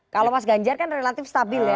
kalau mas ganjar kan relatif stabil ya